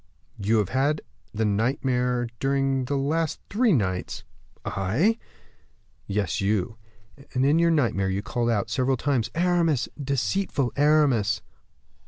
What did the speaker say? "You have had the nightmare during the last three nights." "I?" "Yes, you; and in your nightmare you called out, several times, 'Aramis, deceitful Aramis!